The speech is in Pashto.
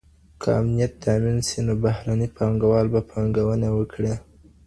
که امنيت تامين سي نو بهرني پانګوال به پانګونه وکړي.